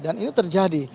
dan ini terjadi